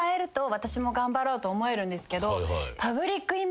私も頑張ろうと思えるんですけど。